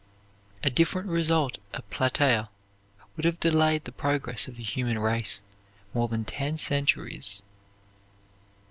A different result at Plataea would have delayed the progress of the human race more than ten centuries.